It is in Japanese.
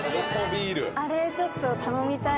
あれちょっと頼みたい。